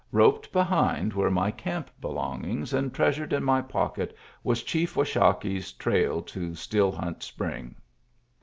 Roped behind were my camp belongings, and treasured in my pocket was Chief Washakie's trail to Still Hunt Spring.